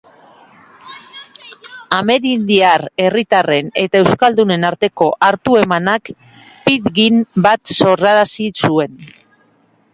Amerindiar herritarren eta euskaldunen arteko hartu-emanak pidgin bat sorrarazi zuen.